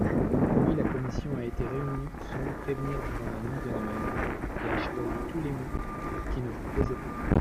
Oui, la commission a été réunie sans vous prévenir durant la nuit de Noël et a choisi tous les mots qui ne vous plaisaient pas.